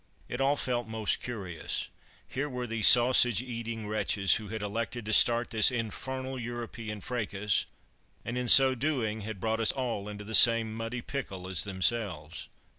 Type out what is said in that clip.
It all felt most curious: here were these sausage eating wretches, who had elected to start this infernal European fracas, and in so doing had brought us all into the same muddy pickle as themselves.